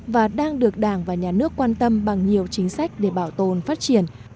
và đang được đảng và nhà nước quan tâm bằng nhiều chính sách để bảo tồn phát triển